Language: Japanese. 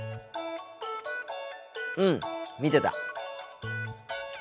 うん見てた。